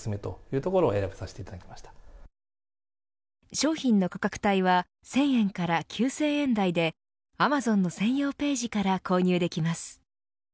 商品の価格帯は１０００円から９０００円台でアマゾンの専用ページから購入できます。